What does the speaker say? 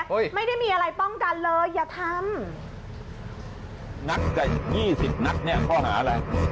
ไม่ได้มีอะไรป้องกันเลยอย่าทำนัดกันยี่สิบนัดเนี่ยข้อหาอะไร